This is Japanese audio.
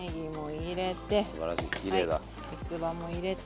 はいみつばも入れて。